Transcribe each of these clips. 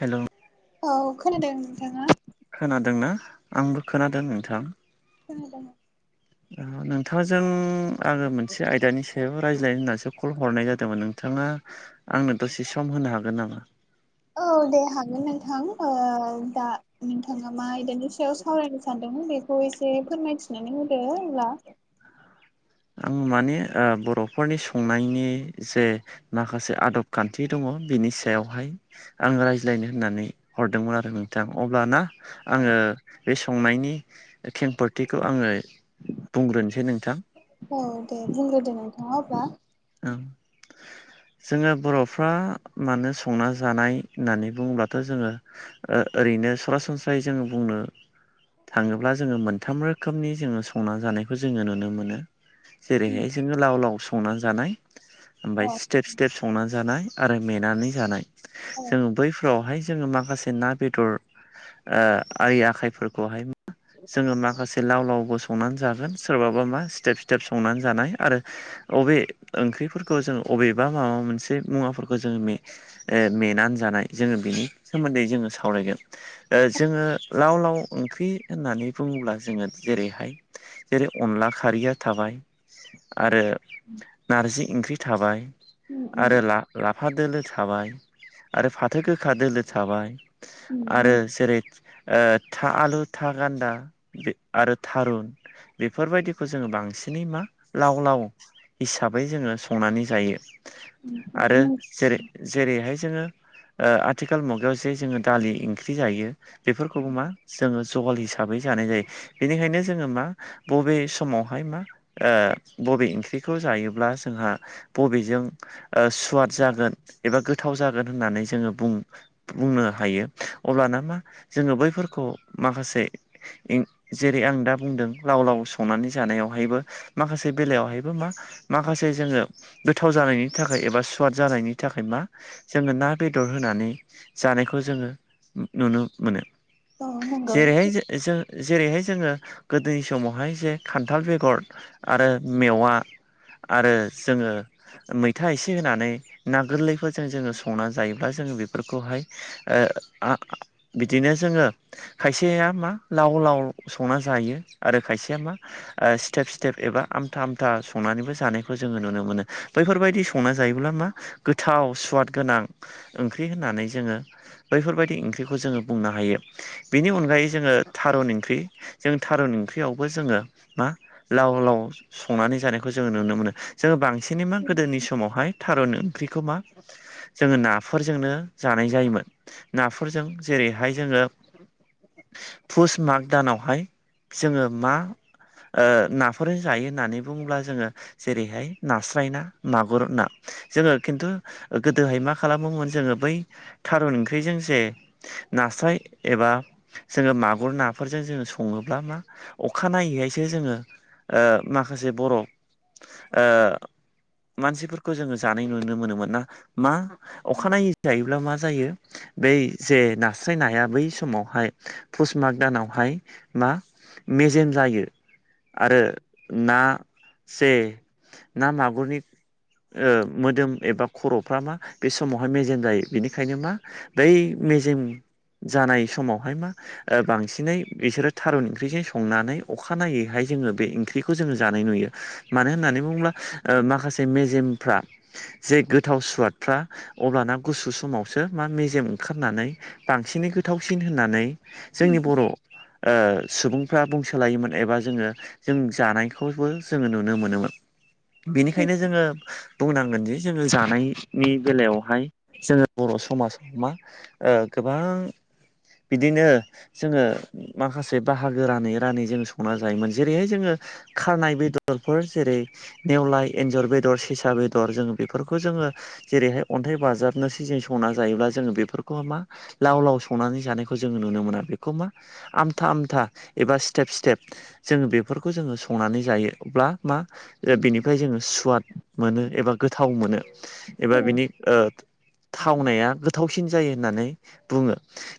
Hello औ खोनादों नोंथाङा खोनादोंना आंबो खोनादों नोंथां [inaudible] नोंथांजों आङो मोनसे आयदानि सायाव रायज्लायनो होननानैसो कल हरनाय जादोंमोन नोंथाङा आंनो दसे सम होनो हागोन नामा औ दे हागोन नोंथां ओ दा नोंथाङा मा आयदानि सायाव सावरायनो सानदोंमोन बेखौ एसे फोरमायथिनानै होदो होनब्ला आं माने बर'फोरनि संनायनि जे माखासे आदब खान्थि दङ बिनि सायावहाय आङो रायज्लायनो होननानै हरदोंमोन आरो नोंथां अब्लाना आङो बे संनायनि खेंफोथिखौ आङो बुंग्रोनोसै नोंथां औ दे बुंग्रोदो नोंथाङा अब्ला ओं जोङो बर'फ्रा मानो संना जानाय होननानै बुङोबथ' जोङो ओरैनो सरासनस्रायै जोङो बुंनो थाङोब्ला जोङो मोनथाम रोखोमनि जोङो संना जानायखौ जोङो नुनो मोनो जेरैहाय जोङो लाव लाव संनानै जानाय ओमफ्राय औ स्टेप स्टेप संनानै जानाय आरो मेनानै जानाय औ जोङो बैफोरावहाय जोङो माखासे ना बेदर ओ आरि आखाइफोरखौहाय मा जोङो माखासे लाव लावबो संनानै जागोन सोरबाबा मा स्टेब स्टेब संनानै जानाय आरो अबे ओंख्रिफोरखौ जों अबेबा माबा मोनसे मुवाफोरखौ जों मे ओ मेनानै जानाय जोङो बिनि सोमोन्दै जोङो सावरायगोन ओ जोङो लाव लाव ओंख्रि होननानै बुङोब्ला जोङो जेरैहाय जेरै अनला खारिया थाबाय आरो नारजि ओंख्रि थाबाय उम आरो ला लाफा दोलो थाबाय आरो फाथो गोखा दोलो थाबाय आरो उम जेरै ओ था आलु था गान्दा आरो थारुन बेफोरबायदिखौ जोङो बांसिनै मा लाव लाव हिसाबै जोङो संनानै जायो उम आरो उम जेरै जेरैहाय जोङो ओ आथिखाल मुगायाव जे जोङो दालि ओंख्रि जायो बेफोरखौबो मा जोङो जहल हिसाबै जानाय जायो। बेनिखायनो जोङो मा बबे समावहाय मा बबे ओ ओंख्रि खौ जायोब्ला जोंहा बबेजों सुवाद जागोन एबा गोथाव जागोन होननानै जोङो बुं बुंनो हायो अब्लाना मा जोङो बैफोरखौ माखासे जेरै आं दा बुंदों लाव लाव संनानै जानायावहायबो माखासे बेलायावहायबो मा माखासे जोङो गोथाव जानायनि थाखाय एबा सुवाद जानायनि थाखाय मा जोङो ना बेदर होनानै जानायखौ जोङो नुनो मोनो औ नंगौ जेरैहाय जों जेरैहाय जोङो गोदोनि समावहाय जे खान्थाल बेगर आरो मेवा आरो जोङो मैथा एसे होनानै ना गोरलैफोरजों जोङो संनानै जायोब्ला जोङो बेफोरखौहाय बिदिनो जोङो खायसेया मा लाव लाव संना जायो आरो खायसेया मा ओ स्टेप स्टेप एबा आमथा आमथा संनानैबो जानायखौ जोङो नुनो मोनो बैफोरबायदि संना जायोब्ला मा गोथाव सुवाद गोनां ओंख्रि होननानै जोङो बैफोरबायदि ओंख्रिखौ जोङो बुंनो हायो बेनि अनगायै जोङो थारुन ओंख्रि जों थारुन ओंख्रियावबो जोङो मा लाव लाव संनानै जानायखौ जोङो नुनो मोनो जोङो बांसिनै मा गोदोनि समावहाय थारुन ओंख्रिखौ मा जोङो नाफोरजोंनो जानाय जायोमोन नाफोरजों जेरैहाय जोङो पुस माग दानावहाय जोङो मा ओ नाफोरजों जायो होननानै बुङोब्ला जोङो जेरैहाय नास्राय ना मागुर ना जोङो खिन्थु गोदोहाय मा खालामोमोन जोङो बै थारुन ओंख्रिजों जे नास्राय एबा जोङो मागुर नाफोरजों जोङो सङोब्ला मा अखा नायैहायसो जोङो ओ माखासे बर' ओ मानसिफोरखौ जोङो जानाय नुनो मोनोमोन ना मा अखानायै जायोब्ला मा जायो बै जे नास्रायनाया बै समावहाय पुस मग दानावहाय मा मेजेम जायो आरो ना जे ना मागुरनि ओ मोदोम एबा खर'फ्रा मा बे समावहाय मेजेम जायो बेनिखायनो मा बै मेजेम जानाय समावहाय मा बांसिनै बिसोरो थारुन ओंख्रिजों संनानै अखानायनायैहाय जोङो बे ओंख्रिखौ जोङो जानाय नुयो मानो होननानै बुङोब्ला माखासे मेजेमफ्रा जे गोथाव सुवादफ्रा अब्लाना गुसु समावसो मा मेजेम ओंखारनानै बांसिनै गोथावसिन होननानै जोंनि बर' ओ सुबुंफ्रा बुंसोलायोमोन एबा जोङो जों जानायखौबो जोङो नुनो मोनोमोन बेनिखायनो जोङो बुंनांगोनदि जोङो जानायनि बेलायावहाय जोङो बर' समाजाव मा ओ गोबां बिदिनो जोङो माखासे बाहागो रानै रानै जोङो संना जायोमोन जेरैहाय जोङो खारनाय बेदर बेदरफोर जेरै नेवलाय एन्जर बेदर सेसा बेदर जों बेफोरखौ जोङो जेरैहाय अन्थाइ बाजाबनो सिजों संना जायोब्ला जोङो बेफोरखौ मा लाव लाव संनानै जानायखौ जोङो नुनो मोना बेखौ मा आमथा आमथा एबा स्टेप स्टेप जोङो बेफोरखौ जोङो संनानै जायो अब्ला मा बेनिफ्राय जोङो सुवाद मोनो एबा गोथाव मोनो एबा बिनि ओ थावनाया गोथावसिन जायो होननानै बुङो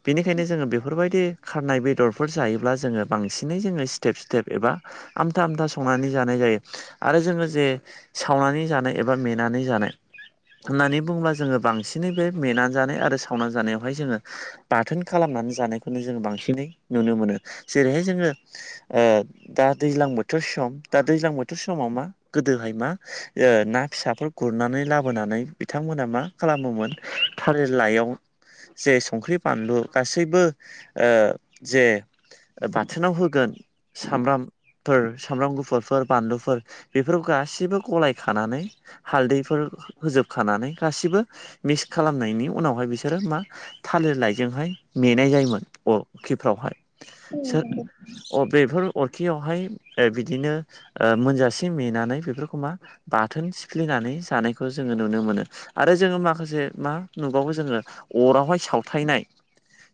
बेनिखायनो जोङो बेफोरबायदि खारनाय बेदरफोर जायोब्ला जोङो बांसिनै जोङो स्टेप स्टेप एबा आमथा आमथा संनानै जानाय जायो आरो जोङो जे सावनानै जानाय एबा मेनानै जानाय होननानै बुङोब्ला जोङो बांसिनै बे मेनानै जानाय आरो सावनानै जानायावहाय जोङो बाथोन खालामनानै जानायखौनो जों बांसिनै नुनो मोनो जेरैहाय जोङो ओ दा दैज्लां बोथोर सम दा दैज्लां बोथोर समाव मा गोदोहाय मा ओ ना फिसाफोर गुरनानै लाबोनानै बिथांमोना मा खालामोमोन थारि लाइयाव जे संख्रि बानलु गासैबो ओ जे बाथोनाव होगोन सामब्रामफोर सामब्राम गुफुरफोर बानलुफोर बेफोरखौ गासैबो गलाय खानानै हालदैफोर होजोबखानानै गासिबो मिक्स खालामनायनि उनावहाय बिसोरो मा थालिर लाइजोंहाय नेनाय जायोमोन अरखिफ्रावहाय सो अ बेफोर अरखियावहाय बिदिनो ओ मोनजासि नेेनानै बेफोरखौ मा बाथोन सिफ्लिनानै जानायखौ जोङो नुनो मोनो आरो जोङो माखासे मा नुबावो जोङो अरावहाय सावथायनाय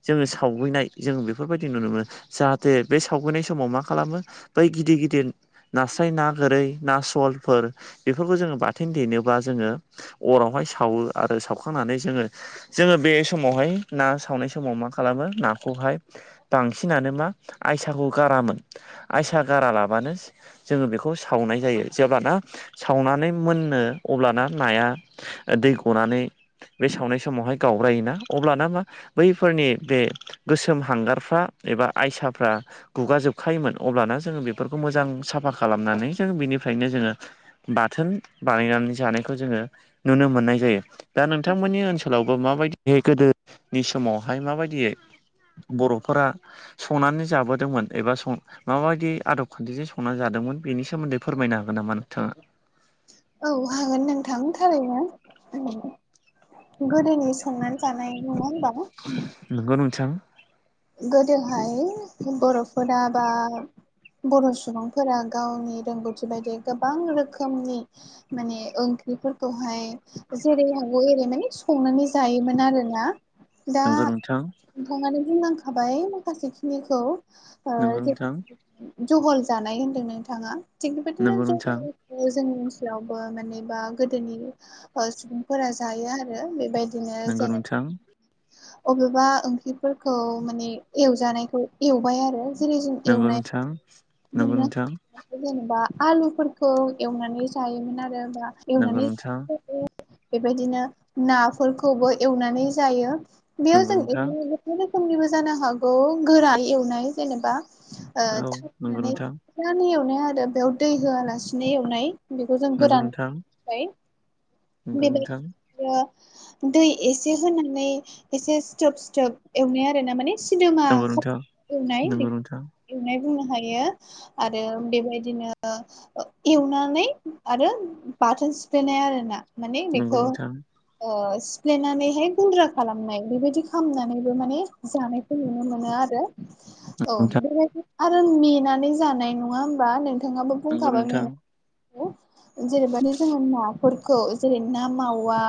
जोङो सावगैनाय जों बेफोरबायदि नुनो मोनो जाहाथे बे सावगैनाय समाव मा खालामो बै गिदिर गिदिर नास्राय ना गोरै ना सलफोर बेफोरखौ जोङो बाथोन देनोबा जोङो अरावहाय सावो आरो सावखांनानै जोङो जोङो बे समावहाय ना सावनाय समाव मा खालामो नाखौहाय बांसिनानो मा आयसाखौ गारामोन आयसा गारा लाबानो जोङो बेखौ सावनाय जायो जेब्लाना सावनानै मोनो अब्लाना नाया दै गनानै बे सावनाय समावहाय गावरायोना अब्लाना मा बैफोरनि बे गोसोम हांगारफ्रा एबा आयसाफ्रा गुगाजोबखायोमोन अब्लाना जोङो बेफोरखौ मोजां साफा खालामनानै जों बिनिफ्रायनो जोङो बाथोन बानायनानै जानायखौ जोङो नुनो मोननाय जायो दा नोंथांमोननि ओनसोलाव आथिखोलावबो माबायदियै गोदोनि समावहाय माबायदियै बर'फोरा संनानै जाबोदोंमोन एबा सं माबायदि आदब खान्थिजों संना जादोंमोन बेनि सोमोन्दै फोरमायनो हागोन नामा नोंथाङा औ हागोन नों थांनो थाखायनो आं गोदोनि संनानै जानाय नङा होमबा नोंगौ नोंथां गोदोहाय बर'फोरा बा बर' सुबुंफोरा गावनि रोंगौथि बायदियै गोबां रोखोमनि माने ओंख्रिफोरखौहाय जेरै हागौ एरैनो संनानै जायोमोन आरोना दा नंगौ नोंथां नोंथाङानो बुंलांखाबाय माखासे खिनिखौ ओ नंगौ जे नोंथां जहल जानाय होन्दों नोंथाङा थिग बेबायदिनो नंगौ नोंथां जहल जोंनि ओनसोलावबो मानेबा गोदोनि सुबुंफोरा जायो आरो बेबायदि बिदिनो नंगौ जोङो नोंथां अबेबा ओंख्रिफोरखौ माने एवजानायखौ एवबाय आरो जेरै जों नंगौ एवनाय नोंथां नंगौ मोनो नोंथां जेनेबा आलुफोरखौ एवनानै जायोमोन आरो बा नंगौ एवनानै नोंथां बेबायदिनो नाफोरखौबो एवनानै जायो बेयाव नंगौ जों नोंथां एनो मोननै रोखोमनिबो जानो हागौ गोरा एवनाय जेनेबा औ थाव नंगौ होनानै नोंथां फानै एवनाय आरो बेयाव दै होआलासिनो एवनाय बेखौ जों नंगौ गोरान नोंथां बाय नंगौ बेबाय नोंथां दिनो दै एसे होनानै एसे स्थोब स्थोब एवनाय आरो ना माने सिदोमा एवनाय नंगौ नोंथां बेखौ एवनाय बुंनो हायो। आरो बेबायदिनो ओ एवनानै आरो बाथोन सिफ्लेनाय आरो ना माने नंगौ बेखौ नोंथां ओ सिफ्लेनानैहाय गुन्द्रा खालामनाय बेबायदि खालामनानैबो माने जानायखौ नुनो मोनो आरो औ बेबायदि आरो मेनानै जानाय नङा होमबा नोंथाङाबो नंगौ बुंखाबा मे [inaudible] जेरैबादि जोङो नाफोरखौ जेरै ना मावा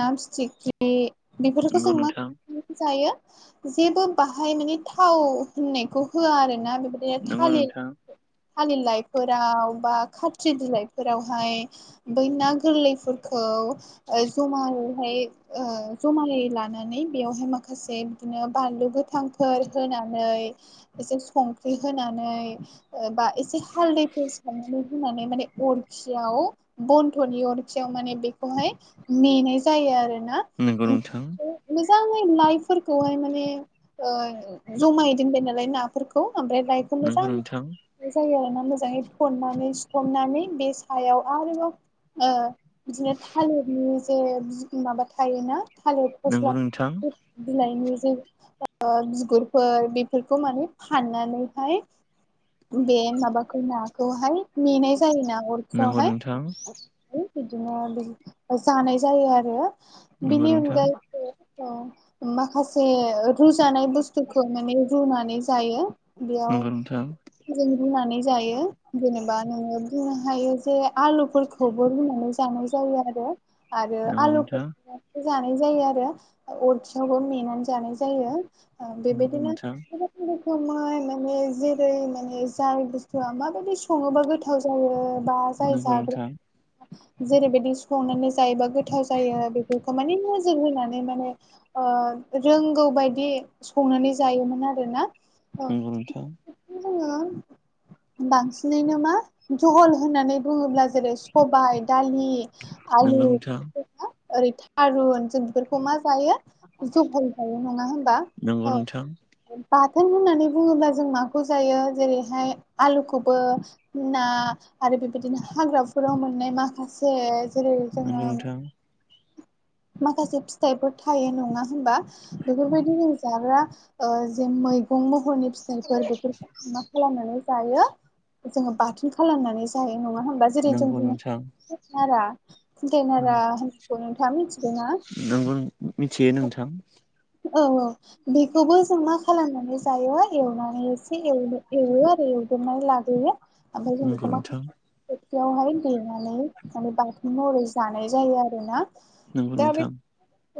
ना फिथिख्रि बे बेफोरखौ जों मा नोंथां खालामनायनखौ जायो जेबो बाहाय माने थाव होननायखौ होआ आरो ना बेबाय नंगौ थालिथ नोंथां थालि लाइफोराव बा खात्रि बिलाइफोरावहाय बै ना गोरलैफोरखौ ओ ज'मायैहाय ओ ज'मायै लानानै बेवहाय माखासे बिदिनो बानलु गोथांफोर होनानै एसे संख्रि होनानै ओ बा एसे हालदैखौ सारनानै होनानै माने अर खिआव बन्थ'नि अरखियाव माने बेखौहाय मेनाय जायो आरोना नोंगौ नोंथां मोजाङै लाइफोरख खौहाय माने ओ ज'मायै दोनबाय नालाय नाफोरखौ आमफ्राय लाइफोर नंगौ मोजां नोंथां बे जायो आरो ना मोजाङै थननानै सिथमनानै बे सायाव आरोबाव ओ बिदिनो थालिरनि जे माबा थायोना थालिथ नोंगौ नोंथां बिलाइनि जे ओ बिगुरफोर बेफोरखौ माने फाननानैहाय बे माबाखौ नाखौहाय मेनाय जायोना नंगौ अरखिआवहाय नोंथां औ बिदिनोबो‌ जानाय जायो आरो बिनि नंगौ नोंथां नंगौ नोंथां अनगायैबो ओ माखासे रुजानाय बुस्थुखौ माने रुनानै जायो बेआव नंगौ नोंथां जों रुनानै जायो जेनोबा नोङो बुंनो हायो जे आलुफोरखौबो रुनानै जा जानाय जायो आरो आरो आलु जानाय जायो आरो [inaudible] अरखिआवबो मेनानै जानाय जायो ओ नंगौ बेबायदिनो नोंथां रोखोमै माने जेरै माने जाय बुस्थुआ माबायदि सङोबा गोथाव जायो बा जाय नंगौ नोंथां जाग्रो जेरैबायदि संनानै जायोबा गोथाव जायो बेफोरखौ माने नोजोर होनानै माने ओ रोंगौ बायदि संनानै जायोमोन आरोना ओ नंगौ [inaudible] बांसिनैनो मा जह'ल होननानै बुङोब्ला जेरै स'बाय दालि हो आलु नंगौ नोंथां ओरै थारुन जों बेफोरखौ मा जायो जगायखायो नङा होनबा नंगौ औ नोंथां उम बाथोन होननानै बुङोब्ला जों माखौ जायो जेरैहाय आलुखौबो ना आरो बेबायदिनो हाग्राफोराव मोननाय माखासे जेरै जोङो नंगौ नोंथां माखासे फिथाइफोर थायो नङा होनबा बेफोरबायदिनो जाग्रा ओ जों मै गोबां महरनि फिथाइफोर बेफोरखौ मा खालामनानै जायो जोङो बाथोन खालामनानै जा जायो नङा होनबा जेरै जों नंगौ नोंथां नंगौ बुंनो नोंथां खुन्थाइ नारा होननायखौ नोंथांआ मिथि दंङा नोंगौ मिथियो नोंथां औ औ बेखौबो जों मा खालामनानै जायो एवनानै एसे एवो आरो एवदबनानै लाग्रोयो आमफाय जों नंगौ बेखौ माखा नोंथां थोफिआवहाय देनानै माने बांसिन महरै जानाय जायो आरो ना नंगौ दा बे नोंथां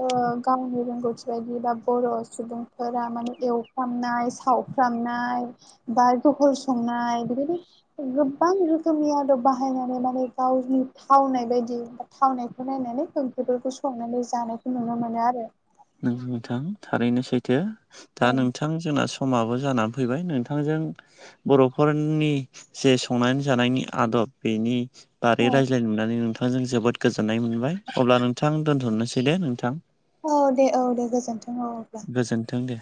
ओ गावनि रोंगौथि बेबाख बर' सुबुंफोरा माने एवफ्रामनाय सावफ्रामनाय ब जह'खल संनाय बिदिनो गोबां रोखोमनि आदब बाहायनानै माने गावनि थावनाय बायदि थावनायखौ नायनानै ओंख्रिफोरखौ संनानै जानायखौ नुनो मोनो आरो नों नोंथां थारैनो सैथो दा औ नोंथां जोंना सम समाबो जानानै फैबाय नोंथांजों बर'फोरनि जे संनानै जानायनि आदब बेनि बादै औ रायज्लायनो मोननानै नोंथांजों जोबोद गोजोननाय मोनबाय अब्ला नोंथां दोनथ'नोसै दे नोंथां औ दे औ दे गोजोन्थों औ होनब्ला गोजोन्थों दे